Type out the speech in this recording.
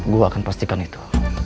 gue akan pastikan itu